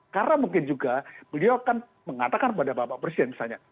karena mungkin juga beliau kan mengatakan kepada bapak presiden misalnya